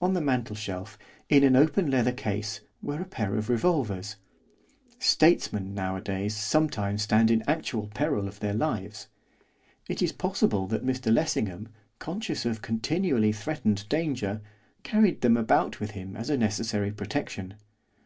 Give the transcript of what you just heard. On the mantelshelf, in an open leather case, were a pair of revolvers. Statesmen, nowadays, sometimes stand in actual peril of their lives. It is possible that Mr Lessingham, conscious of continually threatened danger, carried them about with him as a necessary protection.